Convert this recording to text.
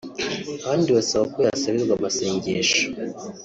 abandi basaba ko yasabirwa amasengesho